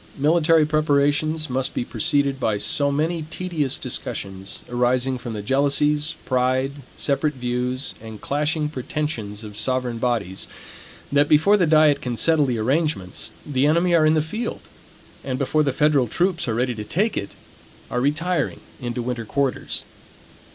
Military preparations must be preceded by so many tedious discussions, arising from the jealousies, pride, separate views, and clashing pretensions of sovereign bodies, that before the diet can settle the arrangements, the enemy are in the field; and before the federal troops are ready to take it, are retiring into winter quarters.